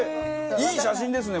いい写真ですねこれ。